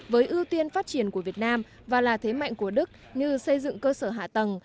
với ưu tiên phát triển của việt nam và là thế mạnh của đức như xây dựng cơ sở hạ tầng